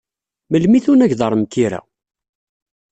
Melmi i tunageḍ ar Mkira?